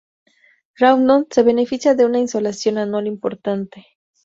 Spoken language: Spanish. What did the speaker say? Rawdon se beneficia de una insolación anual importante.